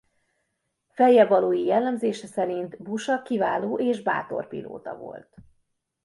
Feljebbvalói jellemzése szerint Busa kiváló és bátor pilóta volt.